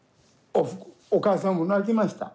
お母さんも泣きました。